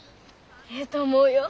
ええと思うよ。